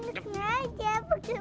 nggak aja bukan papa